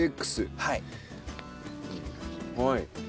はい。